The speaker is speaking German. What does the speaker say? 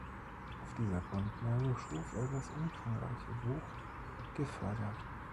Auf dieser Grundlage schuf er das umfangreiche Buch "Gefördert.